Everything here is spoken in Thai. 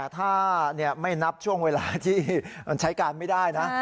ถ้าไม่นับช่วงเวลาที่มันใช้การไม่ได้นะ